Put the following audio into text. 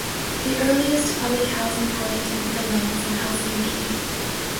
The earliest public housing project in Finland was in Helsinki.